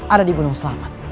ada di gunung selamat